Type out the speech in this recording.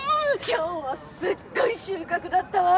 今日はすっごい収穫だったわ